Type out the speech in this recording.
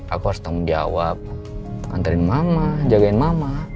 aku harus tau menjawab nganterin mama jagain mama